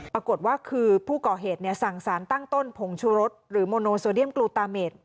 ปรากฏว่าคือผู้ก่อเหตุสั่งสารตั้งต้นผงชูรสหรือโมโนโซเดียมกลูตาเมด